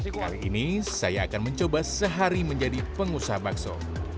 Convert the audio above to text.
kali ini saya akan mencoba sehari menjadi pengusaha bakso